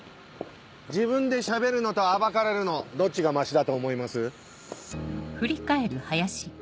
自分で喋るのと暴かれるのどっちがマシだと思います？